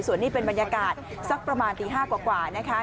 ส่วนนี้เป็นบรรยากาศสักประมาณตี๕กว่านะคะ